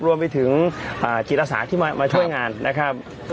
รวมไปถึงจิตอาสาที่มาช่วยงานนะครับ